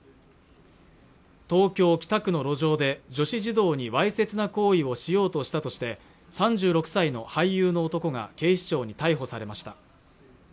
東京北区の路上で女子児童にわいせつな行為をしようとしたとして３６歳の俳優の男が警視庁に逮捕されました